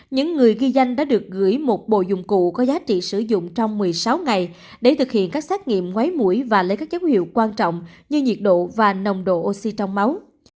những người ghi danh đã được gửi một bộ dụng cụ có giá trị sử dụng trong một mươi sáu ngày để thực hiện các xét nghiệm ngoái mũi và lấy các dấu hiệu quan trọng như nhiệt độ và nồng độ oxy trong máu